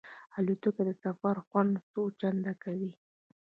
الوتکه د سفر خوند څو چنده کوي.